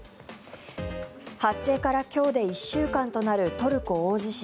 発生から今日で１週間となるトルコ大地震。